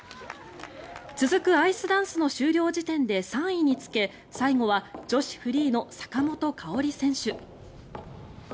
続くアイスダンスの終了時点で３位につけ最後は女子フリーの坂本花織選手。